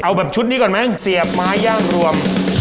เอาแบบชุดนี้ก่อนไหมเสียบไม้ย่างรวม